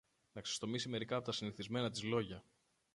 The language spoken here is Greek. να ξεστομίσει μερικά από τα συνηθισμένα της λόγια.